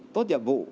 tốt nhiệm vụ